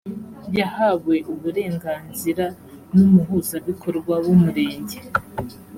yahawe uburenganzira n ‘umuhuzabikorwa w ‘umurenge